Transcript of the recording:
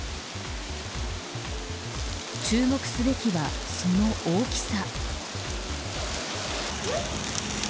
注目すべきはその大きさ。